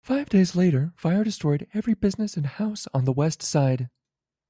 Five days later, fire destroyed every business and house on the west side.